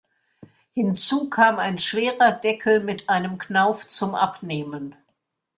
Hinzu kam ein schwerer Deckel mit einem Knauf zum Abnehmen.